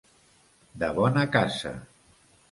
De bona casa.